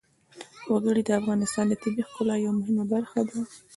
وګړي د افغانستان د طبیعت د ښکلا یوه مهمه برخه ده.